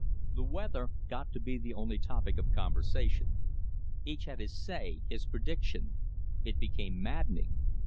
The weather got to be the only topic of conversation. Each had his say, his prediction. It became maddening.